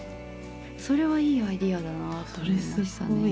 それはいいアイデアだなと思いましたね。